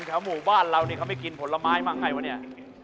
คนแขนวงบ้านเราเขาไม่กินผลไม้มากไงวะเนี่ย